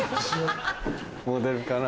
モデルかな？